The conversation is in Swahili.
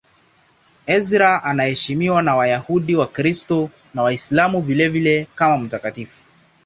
Ezra anaheshimiwa na Wayahudi, Wakristo na Waislamu vilevile kama mtakatifu.